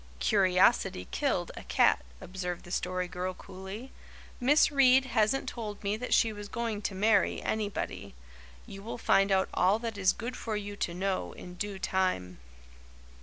"Curiosity killed a cat," observed the Story Girl coolly. "Miss Reade hasn't told me that she was going to marry anybody. You will find out all that is good for you to know in due time."